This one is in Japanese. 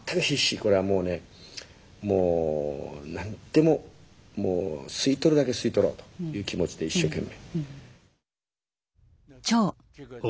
これはもうねもう何でも吸い取るだけ吸い取ろうという気持ちで一生懸命。